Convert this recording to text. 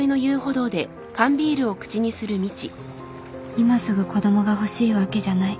今すぐ子供が欲しいわけじゃない